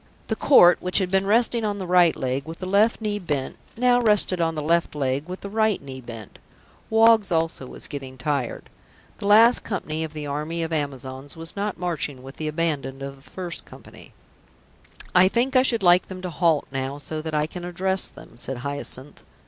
The Court, which had been resting on the right leg with the left knee bent, now rested on the left leg with the right knee bent. Woggs also was getting tired. The last company of the Army of Amazons was not marching with the abandon of the first company. [Illustration: Armed to the teeth, Amazon after Amazon marched by] "I think I should like them to halt now so that I can address them," said Hyacinth.